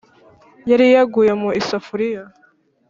yari yaguye mu isafuriya ,